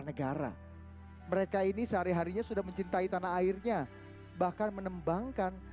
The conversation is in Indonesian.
negara mereka ini sehari harinya sudah mencintai tanah airnya bahkan menembangkan